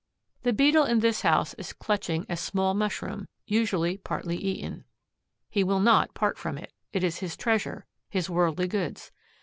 The Beetle in this house is clutching a small mushroom, usually partly eaten. He will not part from it. It is his treasure, his worldly goods.